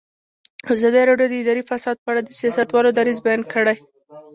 ازادي راډیو د اداري فساد په اړه د سیاستوالو دریځ بیان کړی.